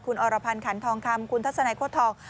คุณออรพรครรภ์เหล่นทองคำคุณทัศนิย์โฆษฐอง